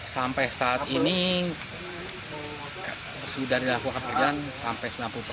sampai saat ini sudah dilakukan perjanjian